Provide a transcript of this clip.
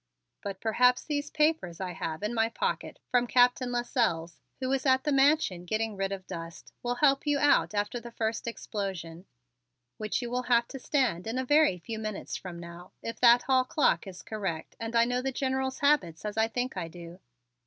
"But perhaps these papers I have in my pocket from Captain Lasselles, who is at the Mansion getting rid of dust, will help you out after the first explosion, which you will have to stand in a very few minutes from now, if that hall clock is correct and I know the General's habits as I think I do."